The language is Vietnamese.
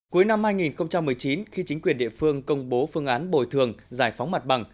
cuối năm hai nghìn một mươi chín khi chính quyền địa phương công bố phương án bồi thường giải phóng mặt bằng